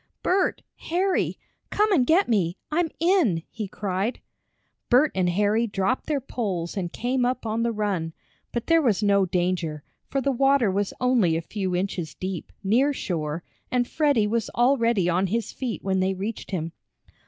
"Bert!! Harry! Come and get me! I'm in!" he cried. Bert and Harry dropped their poles and came up on the run, but there was no danger, for the water was only a few inches deep, near shore, and Freddie was already on his feet when they reached him.